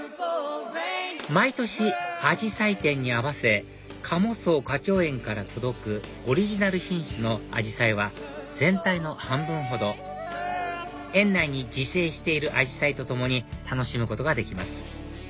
毎年あじさい展に合わせ加茂荘花鳥園から届くオリジナル品種のアジサイは全体の半分ほど園内に自生しているアジサイと共に楽しむことができます